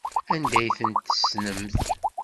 Anda ay tent-tessnemt?